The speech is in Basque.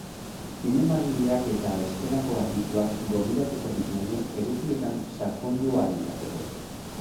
Zinemagileak eta bestelako adituak gonbidatuko ditugu edukietan sakondu ahal izateko.